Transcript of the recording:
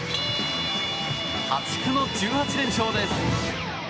破竹の１８連勝です。